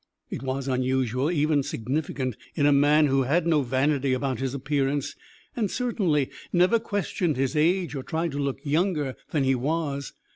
It was unusual, even significant, in a man who had no vanity about his appearance and certainly never questioned his age or tried to look younger than he was.